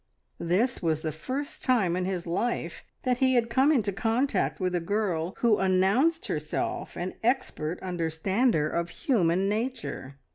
This was the first time in his life that he had come into contact with a girl who announced herself an expert understander of human nature.